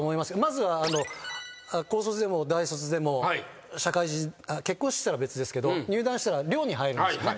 まずは高卒でも大卒でも結婚してたら別ですけど入団したら寮に入るんですよね。